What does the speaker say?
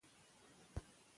موږ په پښتو لیکو.